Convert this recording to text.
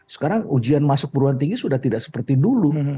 sekarang ujian masuk perguruan tinggi sudah tidak seperti dulu